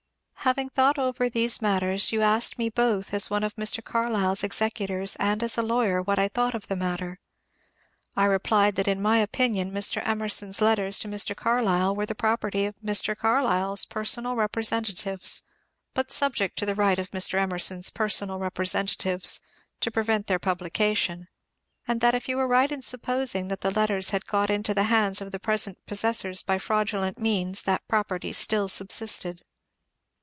Having thought [over] these matters you asked me both as one of Mr. Carlyle's executors and as a lawyer, what I thought of the matter. I replied that in my opinion Mr. Emerson's letters to Mr. Carlyle were the property of Mr. Carlyle's per sonal representatives, but subject to the right of Mr. Emer son's personal representatives to prevent their publication, and that if you were right in supposing that the letters had got into the hands of the present possessors by fraudulent means that property still subsisted.